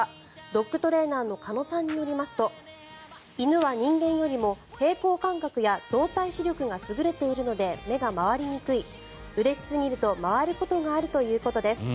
ドッグトレーナーの鹿野さんによりますと犬は人間よりも、平衡感覚や動体視力が優れているので目が回りにくいうれしすぎると回ることがあるということです。